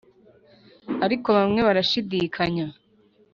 ariko bamwe barashidikanya